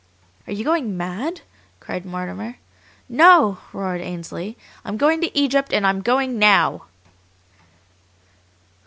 "Are you going mad?" cried Mortimer. "No!" roared Ainsley. "I'm going to Egypt, and I'm going NOW!"